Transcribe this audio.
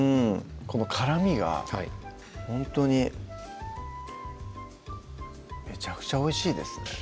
この辛みがほんとにめちゃくちゃおいしいですね